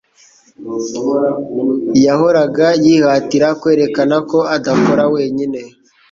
Yahoraga yihatira kwerekana ko adakora wenyine,